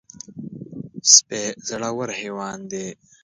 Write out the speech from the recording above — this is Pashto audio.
سپي زړور حیوان دی.